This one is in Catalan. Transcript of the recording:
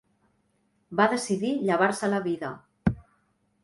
Va decidir llevar-se la vida.